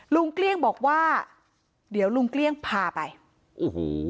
เกลี้ยงบอกว่าเดี๋ยวลุงเกลี้ยงพาไปโอ้โห